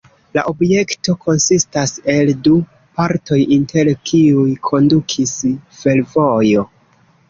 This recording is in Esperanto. La objekto konsistas el du partoj, inter kiuj kondukis fervojo.